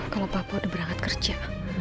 kalau papua udah berangkat kerja